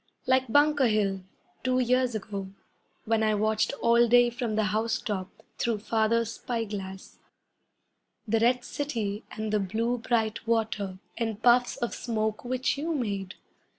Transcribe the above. Like Bunker Hill, two years ago, when I watched all day from the house top Through Father's spy glass. The red city, and the blue, bright water, And puffs of smoke which you made.